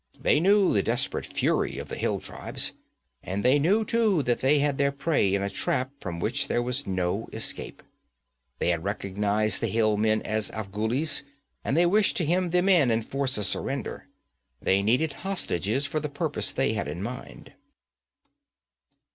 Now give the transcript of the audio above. They knew the desperate fury of the hill tribes, and they knew too that they had their prey in a trap from which there was no escape. They had recognized the hill men as Afghulis, and they wished to hem them in and force a surrender. They needed hostages for the purpose they had in mind.